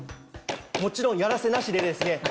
もちろんやらせなしでですね